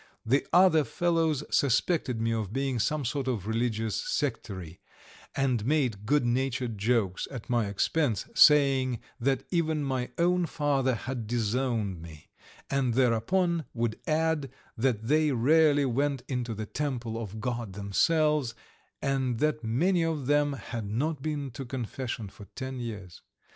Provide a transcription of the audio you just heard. The other fellows suspected me of being some sort of religious sectary, and made good natured jokes at my expense, saying that even my own father had disowned me, and thereupon would add that they rarely went into the temple of God themselves, and that many of them had not been to confession for ten years.